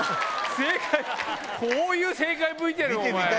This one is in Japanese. こういう正解ＶＴＲお前。